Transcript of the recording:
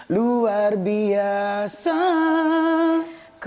ku terbiasa disamaku